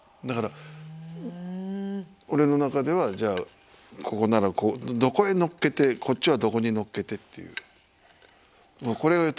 だから俺の中ではじゃあここならどこへのっけてこっちはどこにのっけてっていう。